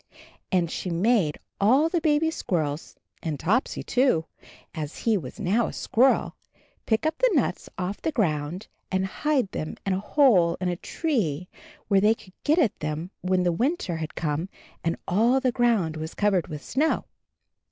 And she made all the baby squirrels, and Topsy too, as he was now a squirrel, pick up the nuts off the gound, and hide them in a hole in a tree where they could get at them when the winter had come and all the ground was covered with snow.